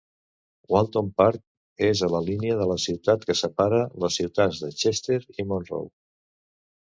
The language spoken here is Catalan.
Walton Park és a la línia de la ciutat que separa les ciutats de Chester i Monroe.